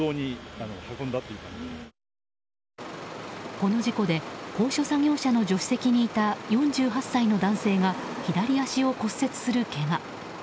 この事故で高所作業車の助手席にいた４８歳の男性が左足を骨折するけが。